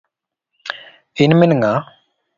In min ng'a?